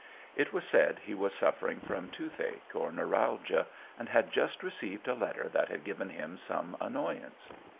It was said he was suffering from toothache or neuralgia, and had just received a letter that had given him some annoyance.